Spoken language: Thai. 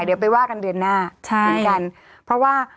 เดี๋ยวไปว่ากันเดือนหน้าเพราะว่า